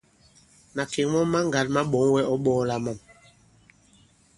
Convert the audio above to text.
Màkè mɔŋ maŋgǎn ma ɓɔ̌ŋ wɛ ɔ̌ ɓɔ̄ɔla mâm.